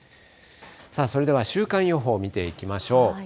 さあ、それでは週間予報を見ていきましょう。